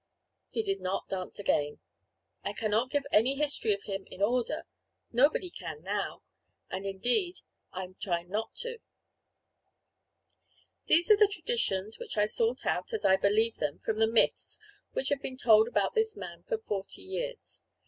He did not dance again. I cannot give any history of him in order; nobody can now; and, indeed, I am not trying to. These are the traditions, which I sort out, as I believe them, from the myths which have been told about this man for forty years.